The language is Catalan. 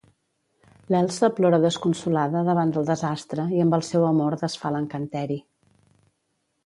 L'Elsa plora desconsolada davant del desastre i amb el seu amor desfà l'encanteri.